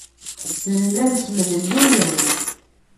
Llan ttemlelluyen.